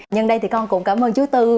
nhân đây thì con cũng cảm ơn chú tư